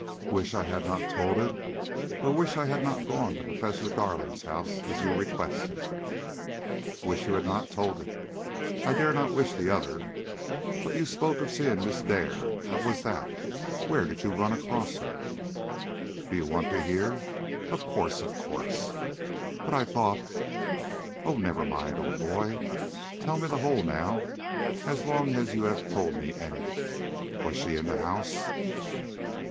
"Wish I had not told it, or wish I had not gone to Professor Darling's house as you requested?" "Wish you had not told it. I dare not wish the other. But you spoke of seeing Miss Dare; how was that? Where did you run across her?" "Do you want to hear?" "Of course, of course." "But I thought " "Oh, never mind, old boy; tell me the whole now, as long as you have told me any. Was she in the house?"